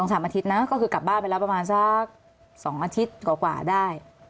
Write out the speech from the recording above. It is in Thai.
๓อาทิตย์นะก็คือกลับบ้านไปแล้วประมาณสัก๒อาทิตย์กว่าได้